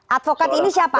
advokat ini siapa